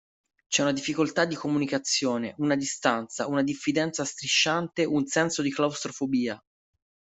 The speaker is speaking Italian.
C'è una difficoltà di comunicazione, una distanza, una diffidenza strisciante, un senso di claustrofobia.